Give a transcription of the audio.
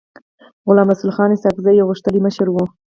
غلام رسول خان اسحق زی يو غښتلی مشر و.